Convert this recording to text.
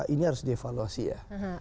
ini harus dievaluasi ya